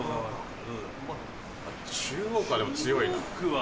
中央区はでも強いな。